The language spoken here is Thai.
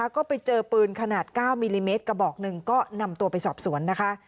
ก็ไปเจอปืนขนาด๙มิลลิเมตรกระบอกหนึ่งก็นำตัวไปสอบสวนนะคะ